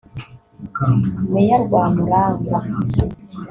Meya Rwamurangwa